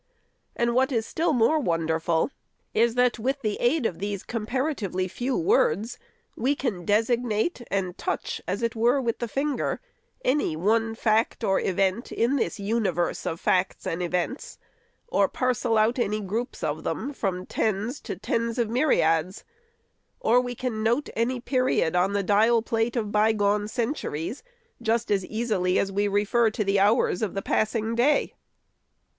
And, what is still more wonderful is, that, with the aid of these comparatively few words, we can designate and touch, as it were with the finger, any one fact or event in this universe of facts and events, or parcel out any groups of them, from tens to tens of myriads ; or we can note any period on the dial plate of by gone centuries, just as easily as we refer to the hours of the passing day.